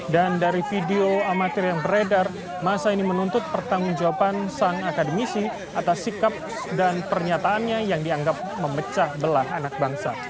dan dari video amatir yang beredar masa ini menuntut pertanggung jawaban sang akademisi atas sikap dan pernyataannya yang dianggap memecah belah anak bangsa